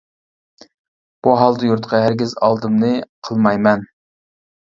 «بۇ ھالدا يۇرتقا ھەرگىز ئالدىمنى قىلمايمەن» .